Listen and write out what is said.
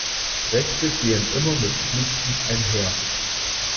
Rechte gehen immer mit Pflichten einher!